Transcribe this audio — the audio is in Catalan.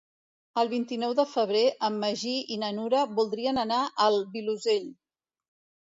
El vint-i-nou de febrer en Magí i na Nura voldrien anar al Vilosell.